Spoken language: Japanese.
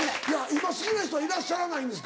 今好きな人はいらっしゃらないんですか？